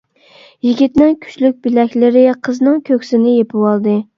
يىگىتنىڭ كۈچلۈك بىلەكلىرى قىزنىڭ كۆكسىنى يېپىۋالدى.